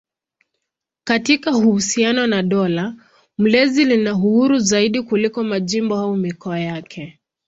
Katika uhusiano na dola mlezi lina uhuru zaidi kuliko majimbo au mikoa yake.